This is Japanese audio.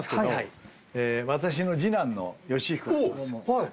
はい。